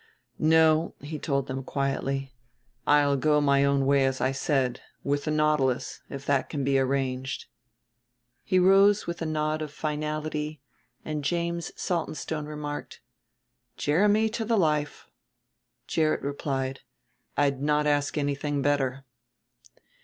"No," he told them quietly, "I'll go my own way as I said; with the Nautilus, if that can be arranged." He rose with a nod of finality, and James Saltonstone remarked, "Jeremy to the life." Gerrit replied, "I'd not ask anything better."